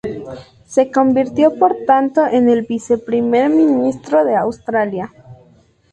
Se convirtió por tanto en el vice-Primer Ministro de Australia.